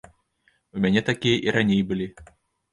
У мяне такія і раней былі.